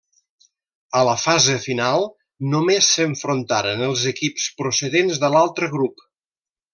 A la fase final només s'enfrontaren els equips procedents de l'altre grup.